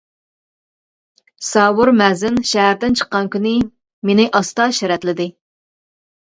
ساۋۇر مەزىن شەھەردىن چىققان كۈنى مېنى ئاستا شەرەتلىدى.